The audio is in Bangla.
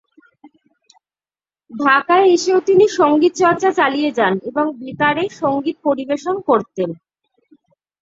ঢাকায় এসেও তিনি সঙ্গীত চর্চা চালিয়ে যান এবং বেতারে সঙ্গীত পরিবেশন করতেন।